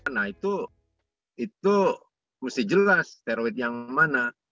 nah itu mesti jelas steroid yang mana